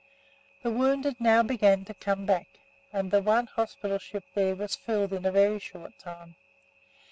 The wounded now began to come back, and the one hospital ship there was filled in a very short time.